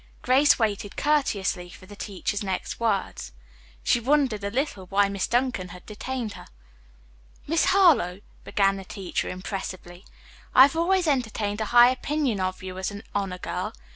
Grace waited courteously for the teacher's next words. She wondered a little why Miss Duncan had detained her. "Miss Harlowe," began the teacher impressively, "I have always entertained a high opinion of you as an honor girl.